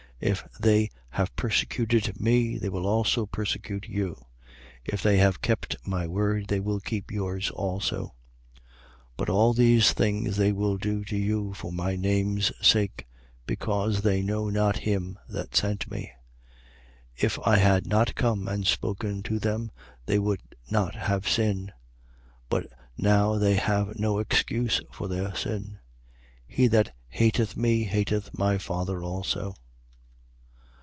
If they have persecuted me, they will also persecute you. If they have kept my word, they will keep yours also. 15:21. But all these things they will do to you for my name's sake: because they know not him that sent me. 15:22. If I had not come and spoken to them, they would not have sin: but now they have no excuse for their sin. 15:23. He that hateth me hateth my Father also.